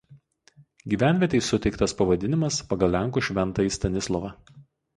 Gyvenvietei suteiktas pavadinimas pagal lenkų šventąjį Stanislovą.